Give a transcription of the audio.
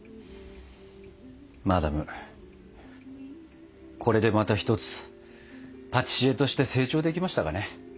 マダムこれでまた一つパティシエとして成長できましたかね。